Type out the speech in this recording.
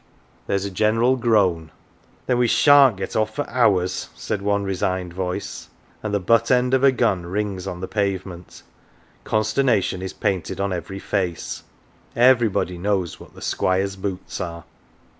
There is a general groan. " Then we shaVt get off for hours" said one resigned voice, and the butt end of a gun rings on the pavement: consternation is painted on every face everybody knows what the Squire's boots are.